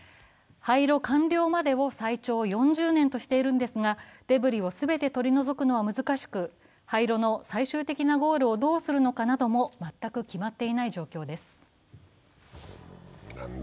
廃炉完了までを最長４０年としているんですが、デブリを全て取り除くのは難しく廃炉の最終的なゴールをどうするのかなども全く決まっていない状況です。